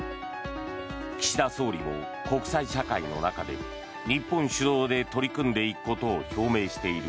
岸田総理も、国際社会の中で日本主導で取り組んでいくことを表明している